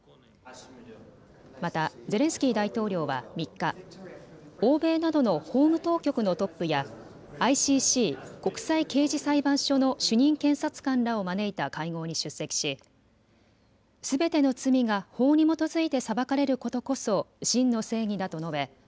またゼレンスキー大統領は３日、欧米などの法務当局のトップやＩＣＣ・国際刑事裁判所の主任検察官らを招いた会合に出席しすべての罪が法に基づいて裁かれることこそ真の正義だと述べ